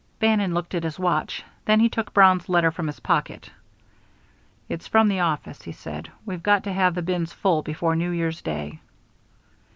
Bannon looked at his watch; then he took Brown's letter from his pocket. "It's from the office," he said. "We've got to have the bins full before New Year's Day."